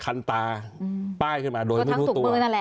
คันตาป้ายขึ้นมาโดนทุกตัว